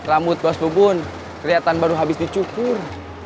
rambut bos bubun keliatan baru habis dicukur